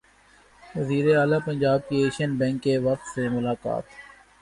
وزیراعلی پنجاب کی Asian bank کے وفد سے ملاقات